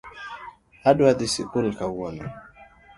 Adwa dhii sikul kawuono